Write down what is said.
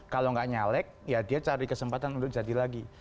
kalau nggak nyalek ya dia cari kesempatan untuk jadi lagi